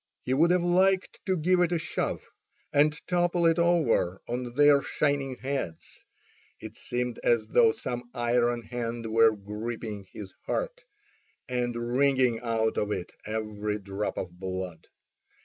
He would have liked to give it a shove, and topple it over on their shining heads. It seemed as though some iron hand were gripping his heart, and wringing out of it every drop of blood.